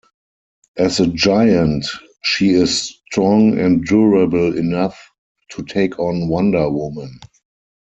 As a giant, she is strong and durable enough to take on Wonder Woman.